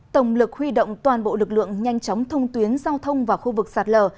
tổng lực huy động toàn bộ lực lượng nhanh chóng thông tuyến giao thông vào khu vực sạt lở